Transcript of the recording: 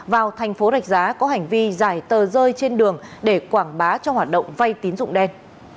vào thành phố rạch giá có hành vi giải tờ rơi trên đường để quảng bá cho hoạt động vay tín dụng đen